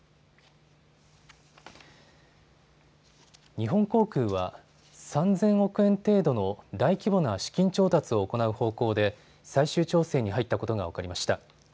日本航空は３０００億円程度の大規模な資金調達を行う方向で最終調整に入ったことが分かりました。